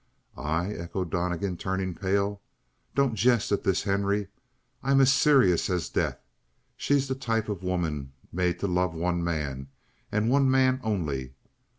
"I?" echoed Donnegan, turning pale. "Don't jest at this, Henry. I'm as serious as death. She's the type of woman made to love one man, and one man only.